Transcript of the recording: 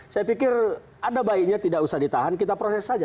saya pikir ada baiknya tidak usah ditahan kita proses saja